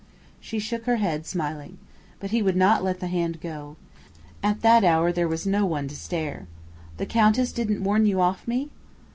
She shook her head, smiling. But he would not let the hand go. At that hour there was no one to stare. "The Countess didn't warn you off me?"